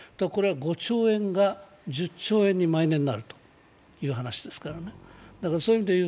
５兆円が１０兆円に毎年なるという話ですからね。